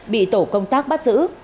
bị tổ công tác bắt giữ